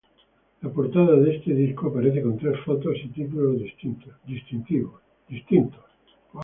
La portada de este disco aparece con tres fotos y títulos distintos.